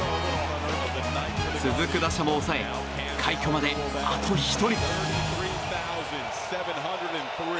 続く打者も抑え快挙まであと１人。